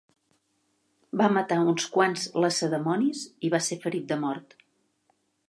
Va matar uns quants lacedemonis i va ser ferit de mort.